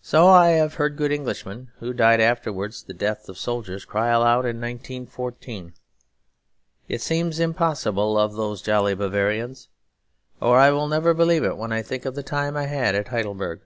So I have heard good Englishmen, who died afterwards the death of soldiers, cry aloud in 1914, 'It seems impossible, of those jolly Bavarians!' or, 'I will never believe it, when I think of the time I had at Heidelberg!'